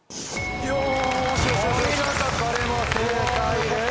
お見事これも正解です！